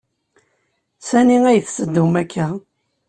S ani i tettedum akka?